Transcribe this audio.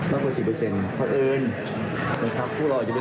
มากกว่า๑๐เปอร์เซ็นต์ขอเอิญนะครับ